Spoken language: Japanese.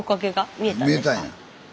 見えたんや。